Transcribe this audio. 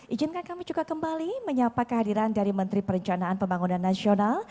izinkan kami juga kembali menyapa kehadiran dari menteri perencanaan pembangunan nasional